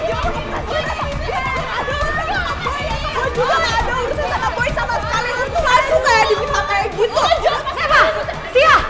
boi ada urusan sama boy